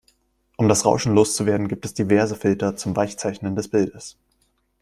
Um das Rauschen loszuwerden, gibt es diverse Filter zum Weichzeichnen des Bildes.